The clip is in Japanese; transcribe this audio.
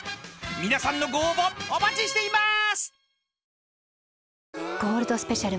［皆さんのご応募お待ちしています！］